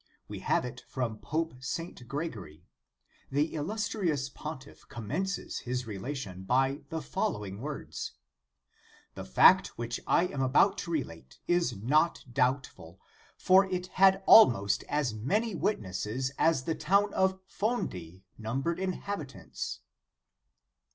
We have it from Pope Saint Gregory. The illustrious pontiff commences his relation by the following words. "The fact which I am about to relate, is not doubtful, for it had * Orat. I., contr. Julian. 134 The Sign of the Cross. almost as many witnesses as the town of Fondi numbered inhabitants.